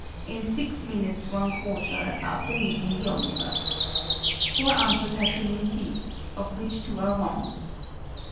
_ in 6 1/4 minutes after meeting the omnibus. Four answers have been received, of which two are wrong.